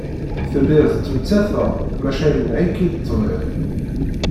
Telliḍ tettmettateḍ maca imneε-ik-id ṭṭbib.